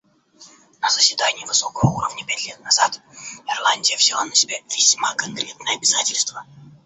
На заседании высокого уровня пять лет назад Ирландия взяла на себя весьма конкретное обязательство.